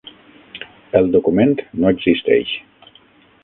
El document no existeix.